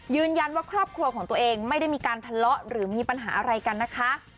ครอบครัวของตัวเองไม่ได้มีการทะเลาะหรือมีปัญหาอะไรกันนะคะ